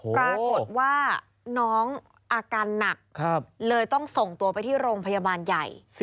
ปรากฏว่าน้องอาการหนักเลยต้องส่งตัวไปที่โรงพยาบาลใหญ่